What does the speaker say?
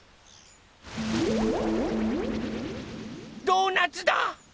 ドーナツだ！